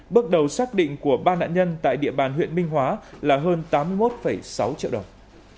bước đầu xác định của ba nạn nhân tại địa bàn huyện minh hóa là hơn tám mươi một sáu triệu đồng